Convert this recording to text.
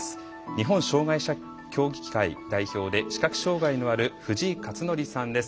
日本障害者協議会代表で視覚障害のある藤井克徳さんです。